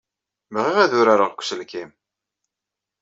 Bɣiɣ ad urareɣ deg uselkim.